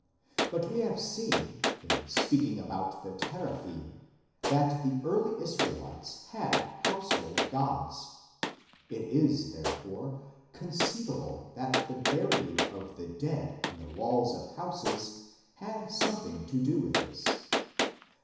But we have seen, in speaking about the Teraphim, that the early Israelites had household gods ; it is, therefore, conceivable that the burying of the dead in the walls of houses had something to do with this.